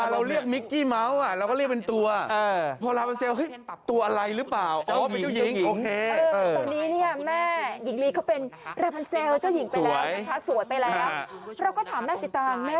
แม่อยากทำไหมไม่เพราะว่าแม่ไม่ได้เล่นหนังเอ็กซ์น่ะ